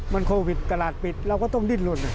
มันโควิดตลาดปิดเราก็ต้องดิ้นลน